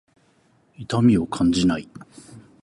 痛みを感じない。